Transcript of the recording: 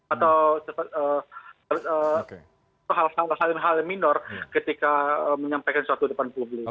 atau hal hal minor ketika menyampaikan sesuatu depan publik